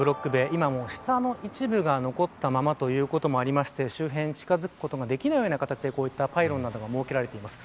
今も下の一部が残ったままということもありまして周辺、近づくことができないような形でパイロンなどが設けられています。